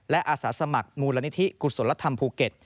และอาสาสมัครมูลนิธิกุศลธรรมภูเก็ต